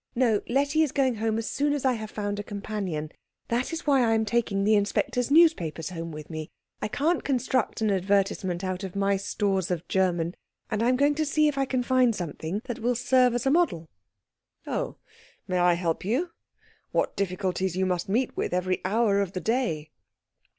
No, Letty is going home as soon as I have found a companion. That is why I am taking the inspector's newspapers home with me. I can't construct an advertisement out of my stores of German, and am going to see if I can find something that will serve as model." "Oh, may I help you? What difficulties you must meet with every hour of the day!"